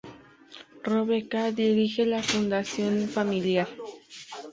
Rebekah dirige la fundación familiar.